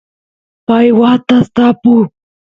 pay watas tapu